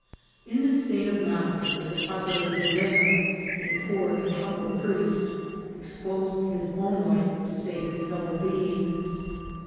In this scene of massacre the Padre Zezena, a poor and humble priest, exposed his own life to save his fellow beings.